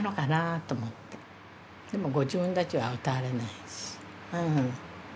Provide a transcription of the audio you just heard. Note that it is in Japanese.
でもご自分たちは歌われない。